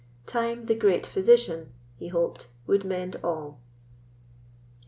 Time, the great physician, he hoped, would mend all.